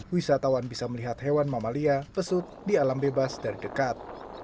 wisatawan bisa melihat hewan mamalia pesut di alam bebas dari dekat